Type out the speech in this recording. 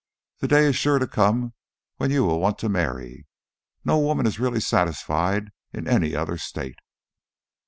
The day is sure to come when you will want to marry. No woman is really satisfied in any other state."